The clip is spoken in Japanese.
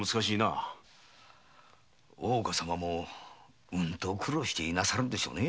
大岡様もご苦労なさっていなさるんでしょうね。